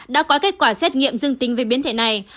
đã có kết quả xét nghiệm dương tính với biến thể này